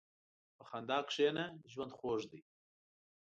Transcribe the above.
په خندا کښېنه، ژوند خوږ دی.